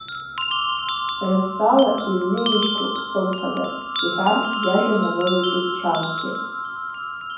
Сара стәала, иҩны ишьҭоуп, хымԥада, — иҳәан, иажәа нарылеиҵеит Чагәгьы.